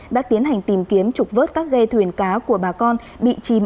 đã tiến hành tìm kiếm trục vớt các ghe thuyền cá của bà con bị chìm